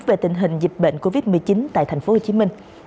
về tình hình dịch bệnh covid một mươi chín tại tp hcm